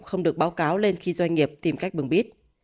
không được báo cáo lên khi doanh nghiệp tìm cách bừng bít